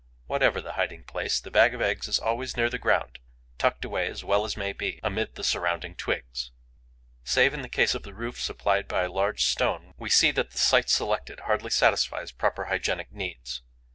Whatever the hiding place, the bag of eggs is always near the ground, tucked away as well as may be, amid the surrounding twigs. Save in the case of the roof supplied by a large stone, we see that the site selected hardly satisfies proper hygienic needs.